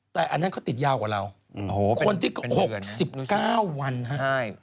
แต่อันนั้นเขาติดยาวกว่าเราคนที่๖๙วันฮะ